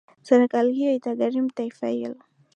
serikali hiyo itagharimu taifa hilo